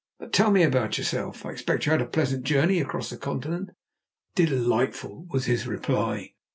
"But tell me about yourself. I expect you had a pleasant journey across the Continent." "Delightful!" was his reply.